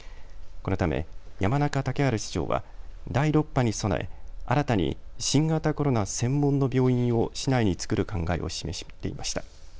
このため山中竹春市長は第６波に備え、新たに新型コロナ専門の病院を市内に作る考えを示していました。